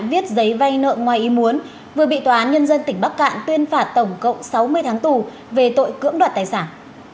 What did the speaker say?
đối tượng ngoài y muốn vừa bị tòa án nhân dân tỉnh bắc cạn tuyên phạt tổng cộng sáu mươi tháng tù về tội cưỡng đoạn tài sản